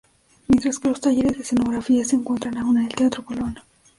Mientras que los talleres de escenografía se encuentran aún en el Teatro Colón